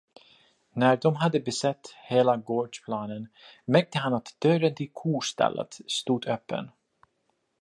När de hade besett hela gårdsplanen märkte han att dörren till kostallet stod öppen.